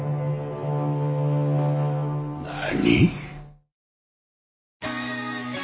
何！？